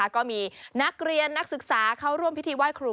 ก็มีนักเรียนนักศึกษาเข้าร่วมพิธีไหว้ครู